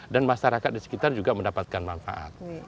dan masyarakat di sekitar juga mendapatkan manfaat